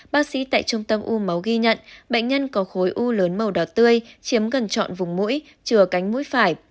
bác sĩ tại trung tâm u máu ghi nhận bệnh nhân có khối u lớn màu đỏ tươi chiếm gần trọn vùng mũi trừa cánh mũi phải